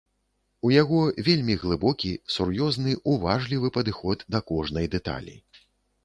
У яго вельмі глыбокі, сур'ёзны, уважлівы падыход да кожнай дэталі.